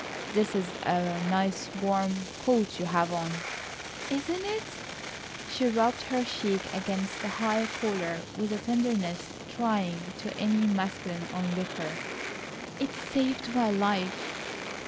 "That is a nice warm coat you have on." "Isn't it?" She rubbed her cheek against the high collar with a tenderness trying to any masculine onlooker. "It saved my life."